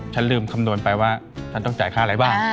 ฉันลืมคำนวณไปว่าท่านต้องจ่ายค่าอะไรบ้าง